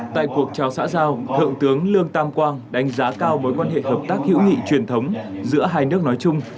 tại cuộc trao xã giao thượng tướng lương tam quang đánh giá cao mối quan hệ hợp tác hữu nghị truyền thống giữa hai nước nói chung